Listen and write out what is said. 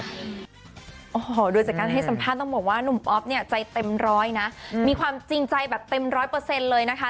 โอ้โหโดยจากการให้สัมภาษณ์ต้องบอกว่าหนุ่มอ๊อฟเนี่ยใจเต็มร้อยนะมีความจริงใจแบบเต็มร้อยเปอร์เซ็นต์เลยนะคะ